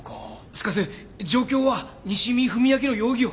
しかし状況は西見文明の容疑を。